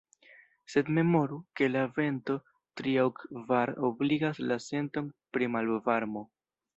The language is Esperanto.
Sed memoru, ke la vento tri- aŭ kvar-obligas la senton pri malvarmo.